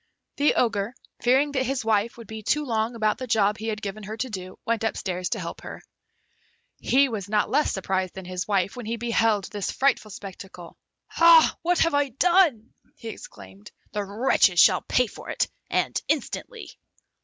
The Ogre, fearing that his wife would be too long about the job he had given her to do, went upstairs to help her. He was not less surprised than his wife, when he beheld this frightful spectacle. "Hah! what have I done?" he exclaimed. "The wretches shall pay for it, and instantly!"